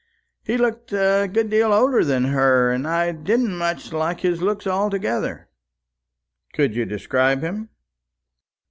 He looked a good deal older than her, and I didn't much like his looks altogether." "Could you describe him?"